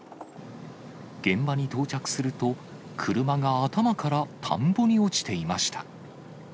現場に到着すると、車が頭から田んぼに落ちていました。